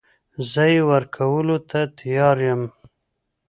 زه يې ورکولو ته تيار يم .